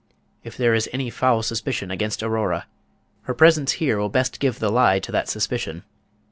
If there is any foul suspicion against Aurora, her presence here will best give the lie to that suspicion.